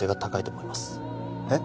えっ？